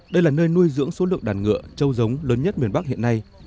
đây là nơi nuôi dưỡng số lượng đàn ngựa châu giống lớn nhất miền bắc hiện nay